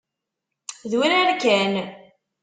D urar kan.